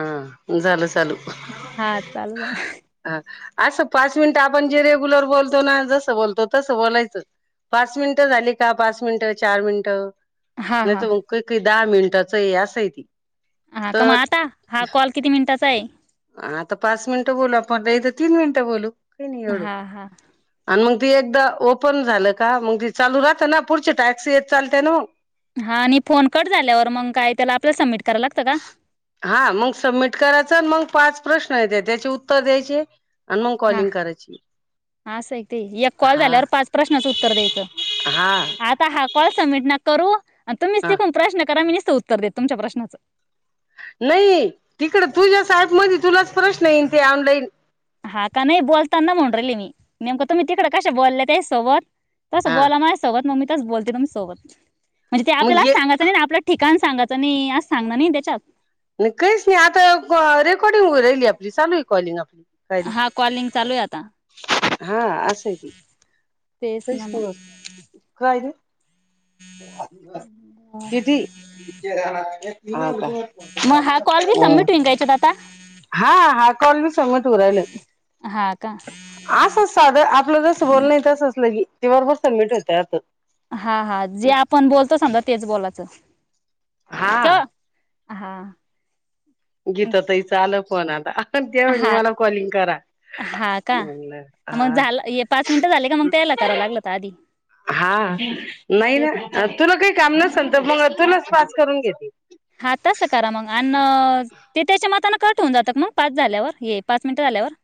हां झालं चालू हा चालू झाल हा असं पाच मिनिटं आपण जे रेग्युलर बोलतो ना जसं बोलतो तसं बोलायचं पाच मिनिटं झाली का पाच मिनिटं चार मिनिटं हा नाही हा त मंग कायकिर दहा मिनिटाचं हे असय ते हा का म आता हा कॉल किती मिनिटा कसय? आता पाच मिनिटं बोलू आपण, नई तर तीन मिनिटं बोलू. काही नाही एवढं हा हा आन मग ती एकदा ओपन झालं का, मग ती चालू राहत ना पुढची टॅक्सी येत चालते ना मग. हा आणि फोन कट झाल्यावर मंग काय त्याला आपल्याला सबमिट करायला लागतं का हा मग सबमिट कराच मग पाच प्रश्न येतात त्याचे उत्तर द्यायचे. आणि मग हा. कॉलिंग करायची अस हाय ते काय एक कॉल हा झाल्यावर पाच प्रश्नाचं उत्तर द्यायचं. हा आता हा कॉल सबमिट नका करू आणि तुम्हीच ते हा पण प्रश्न करा मी निस तू उत्तर दे तुमच्या प्रश्नाचं. नै तिकड तुझ्या साहेबमदी तुलाच प्रश्न येईन ते ऑनलाईन. हा का, नाही बोलताना म्हणून राहिले मी. नेमकं तुम्ही तिकड कशा बोललेत तेज्या सोबत? तस हा बोला माझ्यासोबत मग मी तस बोलते तुम्ही सोबत म्हणजे ते आपल्याला सांगाचं नाही ना, आपलं ठिकाण सांगत न कईच नई आता को रे कट होऊन राहिली आपली चालू हाय कॉलिंग आपली. काय ते हा कॉलिंग चालू आहे आता [unintelligible] हा आसंय ते. तेच कईच ना नाय मा काय? [unintelligible] मग [unintelligible] किती? [unintelligible] हा का? मग हा कॉल बी हं सबमिट होईन का याच्यात आता हा, हा कॉल मी सबमिट हु राहिलेत. हा का आसच साधं आपलं जस बोलणय तसंच लगी. दिवसभर सबमिट होत्यात. हा, हा. जे आपण बोलतो समजा तेच बोलाचं. हा. हा गीता तईच आल हो ना आत्ता हा पण त्या वहिनी हा मला कॉलिंग करा, हा का लं मग हां झालं हे पाच मिनटं झाले का मग त्याला करा लागलं तर आधी हां नाही ते न तुला काही काम नसंत मंग तुनस पास करून घेती हां तस करा मंग नज ते त्याच्या मतानं क होऊन जातात मग पाच झाल्यावर हे पाच मिनिटं झाल्यावर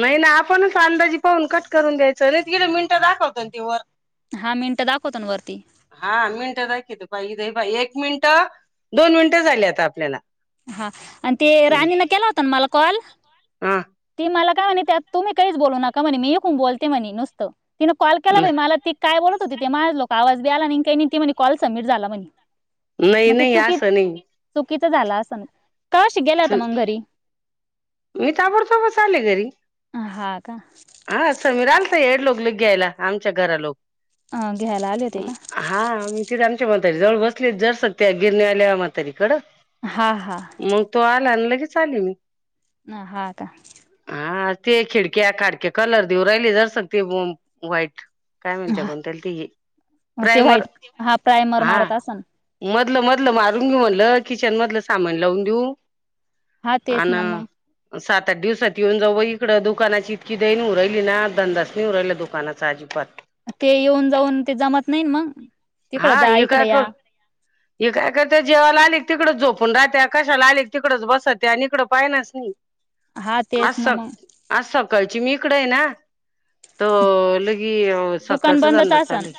नाही ना आपणच अंदाजी पाहून कट करून द्यायचं नाही तीन मिनटं दाखवतंन ते वर हा मिनटं दाखवतो ना वरती हां मिनिटं दाखिवतं पाई द बाई एक मिन्ट तं, दोन मिनटं झाली आता आपल्याला हां, आणि ते राणीनं केला होता ना मला कॉल हा ती मला का आणि त्यात तुम्ही काहीच बोलू नका म्हणे मी हून बोलते म्हणे नुसतं तिनं कॉल केला बाई मला ती काय बोलत होते ते मायाज लोक आवाज बी आला नाही आन् काही नाही अन् ती म्हनी कॉल सबमिट झाला म्हनीं नई-नई आसं नई कितं झालास सां चं, मी ताबड तोबच आले घरी अं हां हां समीर आलता येडलोक लं घ्यायला आमच्या घरा लोक घ्यायला आले होते अं का हां मिथीरामचे बोल त्याच्या जवळ बसलेत जर [unintelligible] गेल्या आल्या म्हातारी कडं हा मंग तू आला न लं हे चाल्ली मी न हा का हा ते खिडक्या काडक्या कलर देऊ राहिली जर [unintelligible] व्हाईट काय म्हणते हा म्हांत्यल त ही ते प्रायमर व्हाईट हा प्रायमर हा मारत असन म लं मधलं मारून घेऊ म्हटलं किचन मधलं सामान लावून देऊ हा तेच ना आंनं मग अ सात त्या दिवसात येऊन जाऊ बाई इकडं, दुकानाची इतकी देइनू राइली ना दंदासनी हो राईलं दूकानाचा आजीबात ते येऊन जाऊन ते जमत नाही न म हां हे काय कर, हे काय करते जेवाला आले क तिकड झोप पण राहत्या कशाला आले तिकडच बसत्या आणि इकडं पाहिनास नी हा तेच ना मग आसक आसं कय चिमी इकड ये ना त लगी दुकान सकाळच बंदच झालं चाली असन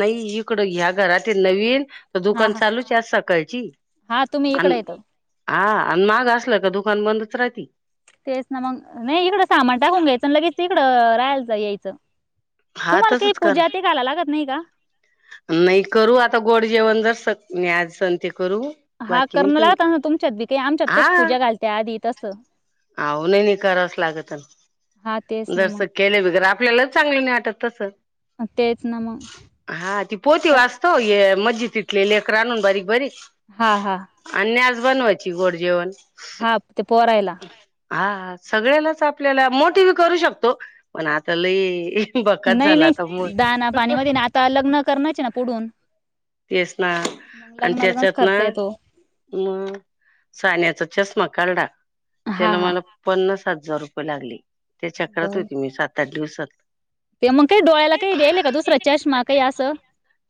लई या घरातील नवीन त हा दुकान हा चालूचचे आज सकाळची हा तुम्ही अन इकडे येतो आ अन महाग असल तर दुकान बंदच राहती तेच ना मग नाही इकड सामान टाकून घ्यायचं अन लगेच इकडं राहाय जायायचं हा तुम्हाला काही तसच कर पूजा ते घालायला लागत नाही का नाही करू आता गोड जेवण जसं मी आज सांगते करू हा बाकी नाही करणं कई लागत ना तुमच्यात बी काही आमच्यात आ कशी पूजा घालते आधी तसं आहो नाही नाही करावच लागतं हा तेच ना जस मग केल्या बिगर आप पल्यालाच चांगलं नई वाटत तसं तेच ना म हो ती वास्त ओ मज्जितीतले लेकरं आणून बारीक बारीक हा हा आणि आज बनवायची गोड जेवण हा कोरायला हा सगळ्यालाच आपल्याला मोठी बी करू शकतो पण आता लई बकाचं नाही झाला आता मग नाही दाना पाणीमध्ये ना आता लग्न करण्याचे ना पुढून तेच ना मग आणि लग्ना लग्नच त्यांच्यात ना खर्च येतो म सान्याचा चष्मा खरडा हा त्यानं हा मला पण पन्नास हजार रुपय लागले त्या चक्रात बर होती मी सात त्या दिवसात ते मग काही डोळ्याला काही द्यायला का दुसरा चष्मा काही असं [unintelligible]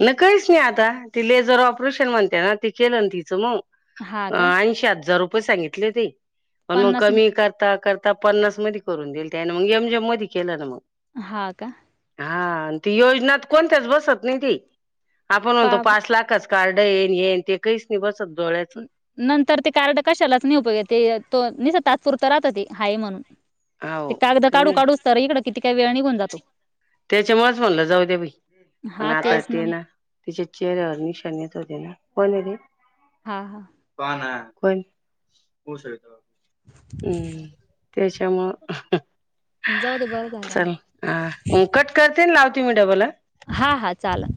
ले काहीच नई आता ती लेजर ऑपरेशन म्हणत्या ना ते केेलंनं तीचं मग हा अ का ऐंशी हजार रु कुणी सांगितलय ते पण मग पन्नास कमी करता कर आता पन्नासमधी करून देईल त्यानं मग एमजम मधी केलं ना मग हा का हा आणि ती योजनात कोणत्याच बसत नाही ती आपण म्हणतो पा पाच लाखच कार्ड येन हेन ते काहीच नाही बसत डोळ्याचं नंतर ते कार्ड कशालाच नाही उपयोगात येत. तो निसता तात्पुरता राहत ते हाये म्हणून ते हो कागद काही काढू नाही काढूच तर इकडं कितीक वेळ निघुन जातो. त्याच्यामुळेच म्हणलं जाऊ दे बाई, पण हा आता तेच ते मग ना तिच्या चेहऱ्यावर निशानीच होती ना? कोण हे रे? हा हा पाहा ना कोण? होवु शकतं हम्म. त्याच्यामुळं जाऊ दे बरं झालं मग उं कट करते अन लावते. तुम्ही [unintelligible] हां हां चाला